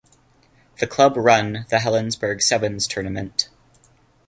The club run the Helensburgh Sevens tournament.